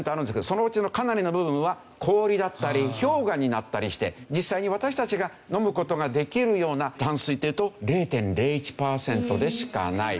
そのうちのかなりの部分は氷だったり氷河になったりして実際に私たちが飲む事ができるような淡水っていうと０．０１パーセントでしかない。